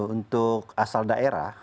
untuk asal daerah